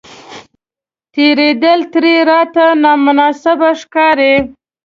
تېرېدل ترې راته نامناسبه ښکاري.